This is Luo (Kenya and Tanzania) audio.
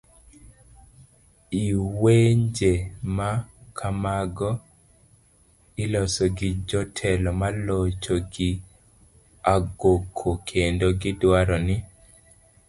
lwenje ma kamago iloso gi jotelo ma locho gi agoko, kendo gidwaro ni